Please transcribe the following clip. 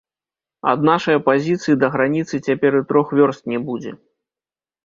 Ад нашае пазіцыі да граніцы цяпер і трох вёрст не будзе.